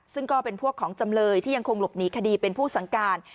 ซึ่งก็เป็นพวกของจำเลยที่ยังคงหลบหนีคดีเป็นผู้สั่งการ